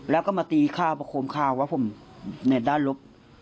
แล้วก็มาตีข้าวประโคมข้าวว่าผมเน็ตด้านลบ